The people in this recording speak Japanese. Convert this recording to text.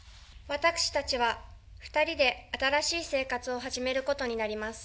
私たちは２人で新しい生活を始めることになります。